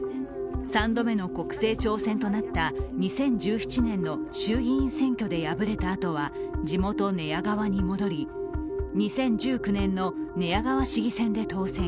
３度目の国政挑戦となった２０１７年の衆議院選挙で敗れたあとは地元・寝屋川に戻り２０１９年の寝屋川市議選で当選。